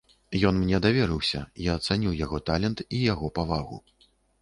Ён мне даверыўся, я цаню яго талент і яго павагу.